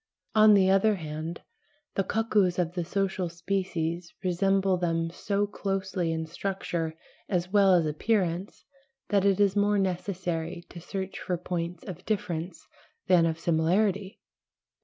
On the other hand, the cuckoos of the social species resemble them so closely in structure as well as appearance that it is more necessary to search for points of difference than of similarity.